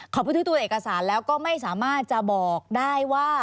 บันทึกตัวเอกสารแล้วก็ไม่สามารถจะบอกได้ว่า